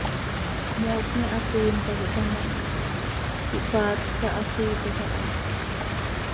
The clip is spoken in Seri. Moosni hatiin pac ihpamotjö, ihpaatj ta, hasiiitoj aha.